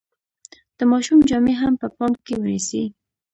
د ماشوم جامې هم په پام کې ونیسئ.